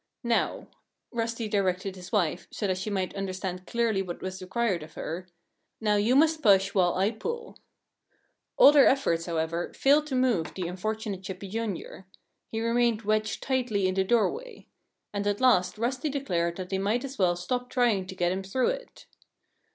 "Now " Rusty directed his wife, so that she might understand clearly what was required of her "now you must push while I pull." All their efforts, however, failed to move the unfortunate Chippy, Jr. He remained wedged tightly in the doorway. And at last Rusty declared that they might as well stop trying to get him through it.